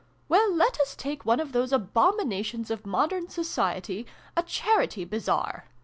" Well, let us take one of those abomina tions of modern Society, a Charity Bazaar.